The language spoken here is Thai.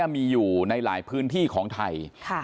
มีอยู่ในหลายพื้นที่ของไทย